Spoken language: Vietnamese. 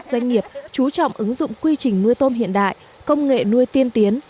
doanh nghiệp chú trọng ứng dụng quy trình nuôi tôm hiện đại công nghệ nuôi tiên tiến